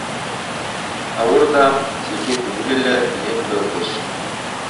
Ауыр ҙа, сикһеҙ күңелле лә ине был эш.